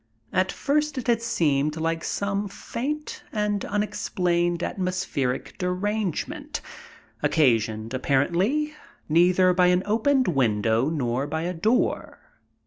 At first it had seemed like some faint and unexplained atmospheric derangement, occasioned, apparently, neither by an opened window nor by a door.